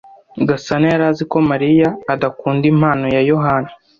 Gasana yari azi ko Mariya adakunda impano ya Yohana.